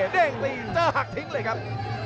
เด้งตีเจอหักทิ้งเลยครับ